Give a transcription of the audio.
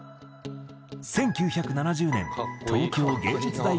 １９７０年東京藝術大学に入学。